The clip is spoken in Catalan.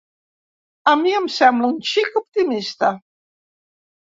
A mi em sembla un xic optimista.